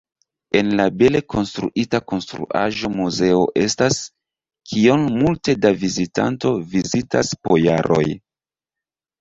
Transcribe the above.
En la bele konstruita konstruaĵo muzeo estas, kion multe da vizitanto vizitas po jaroj.